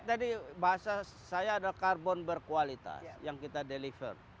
jadi bahasa saya adalah karbon berkualitas yang kita deliver